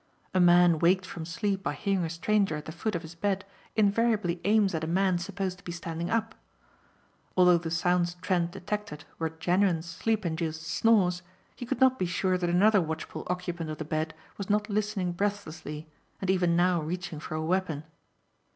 A man waked from sleep by hearing a stranger at the foot of his bed invariably aims at a man supposed to be standing up. Although the sounds Trent detected were genuine sleep induced snores he could not be sure that another watchful occupant of the bed was not listening breathlessly and even now reaching for a weapon.